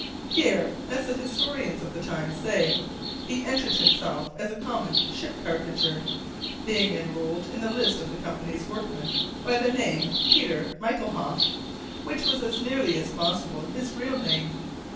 Here, as the historians of the times say, he entered himself as a common ship carpenter, being enrolled in the list of the company's workmen by the name Peter Michaelhoff, which was as nearly as possible his real name.